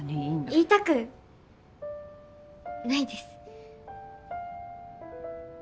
言いたくないです。